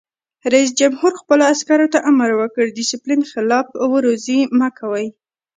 رئیس جمهور خپلو عسکرو ته امر وکړ؛ د ډسپلین خلاف ورزي مه کوئ!